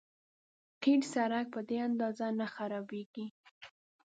قیر سړک په دې اندازه نه خرابېږي.